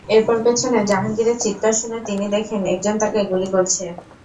এরপর পেছনে জাহাঙ্গীরের চিৎকার শুনে তিনি দেখেন একজন তাঁকে গুলি করছে।